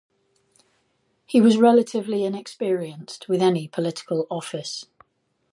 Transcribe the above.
He was relatively inexperienced with any political office.